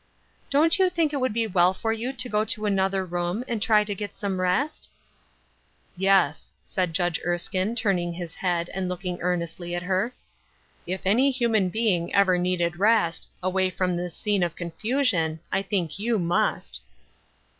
" Don't you think it would be well for you to go to another room, and try to get some rest ?"" Yes," said Judge Erskine, turning his head, and looking earnestly at her; "if any human being ever needed rest, away from this scene of confusion, I think you must."